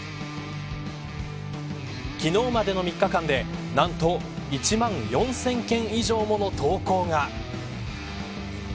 昨日までの３日間で何と１万４０００件以上もの投稿が。